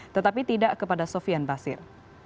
tetapi tidak kepada sofian basir